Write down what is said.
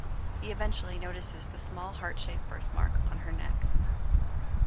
He eventually notices the small heart-shaped birthmark on her neck.